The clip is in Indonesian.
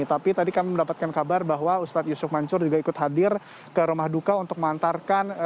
tapi tadi kami mendapatkan kabar bahwa ustadz yusuf mansur juga ikut hadir ke rumah duka untuk mengantarkan